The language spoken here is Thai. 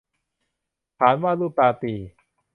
ฐานวาดรูปตาตี่